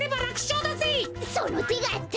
そのてがあった！